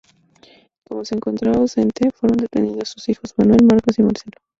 Como se encontraba ausente, fueron detenidos sus hijos Manuel, Marcos y Marcelo.